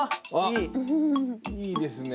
いいですね。